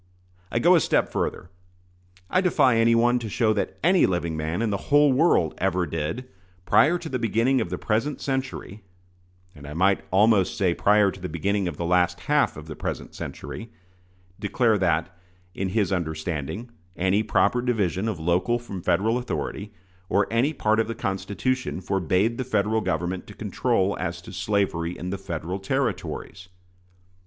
I go a step further. I defy anyone to show that any living man in the whole world ever did, prior to the beginning of the present century (and I might almost say prior to the beginning of the last half of the present century), declare that, in his understanding, any proper division of local from Federal authority, or any part of the Constitution, forbade the Federal Government to control as to slavery in the Federal Territories.